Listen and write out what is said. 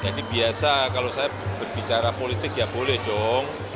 jadi biasa kalau saya berbicara politik ya boleh dong